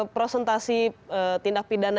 prosentasi tindak pidana